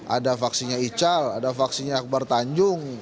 ada vaksinya ical ada vaksinya akbar tanjung